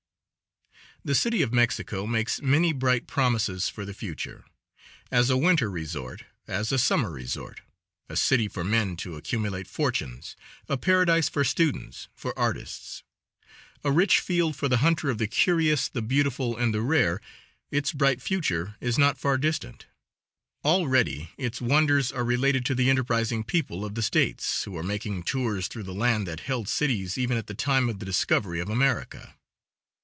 The City of Mexico makes many bright promises for the future. As a winter resort, as a summer resort, a city for men to accumulate fortunes, a paradise for students, for artists; a rich field for the hunter of the curious, the beautiful and the rare, its bright future is not far distant. Already its wonders are related to the enterprising people of the States, who are making tours through the land that held cities even at the time of the discovery of America.